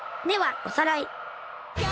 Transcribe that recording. ではおさらい